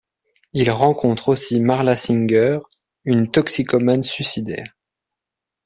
Il rencontre aussi Marla Singer, une toxicomane suicidaire.